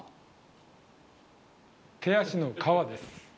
手足の皮です。